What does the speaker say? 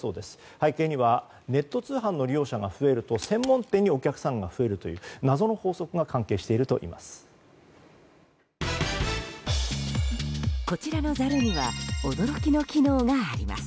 背景にはネット通販の利用者が増えると専門店にお客さんが増えるという謎の法則が関係しているといいます。